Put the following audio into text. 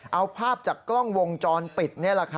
เอาภาพจากกล้องวงจรปิด